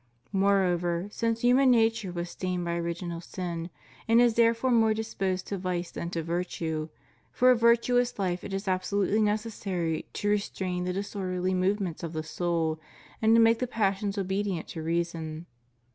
Moreover, since human nature was stained by original sin, and is therefore more disposed to vice than to virtue, for a virtuous life it is absolutely necessary to restrain the disorderly movements of the soul, and to make the passions obedient to reason.